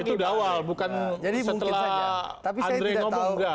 itu di awal bukan setelah andre ngomong enggak